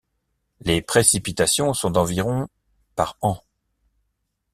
Les précipitations sont d’environ par an.